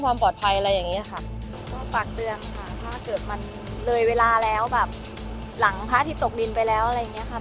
สวัสดีครับที่ได้รับความรักของคุณ